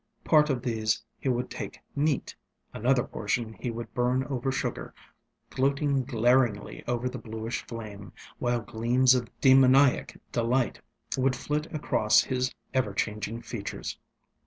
Part of these he would take neat, another portion he would burn over sugar, gloating glaringly over the bluish flame, while gleams of demoniac delight would flit across his ever changing features.